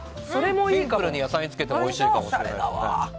シンプルに野菜につけてもおいしいかもしれないです。